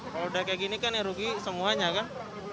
kalau udah kayak gini kan yang rugi semuanya kan